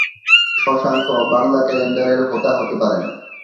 শশাঙ্ক বাংলা ক্যালেন্ডারের হোতা হতে পারেন।